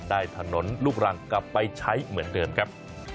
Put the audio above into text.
ได้ถนนลูกรังกลับไปใช้เหมือนเดิมครับ